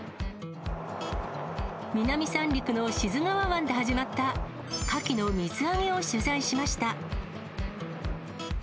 南三陸の志津川湾で始まったカキの水揚げを取材しました。